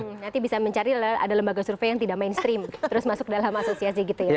nanti bisa mencari ada lembaga survei yang tidak mainstream terus masuk dalam asosiasi gitu ya